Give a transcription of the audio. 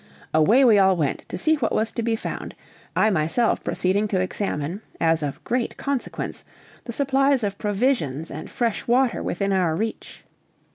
Away we all went to see what was to be found, I myself proceeding to examine, as of great consequence, the supplies of provisions and fresh water within our reach.